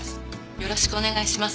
「よろしくお願いします」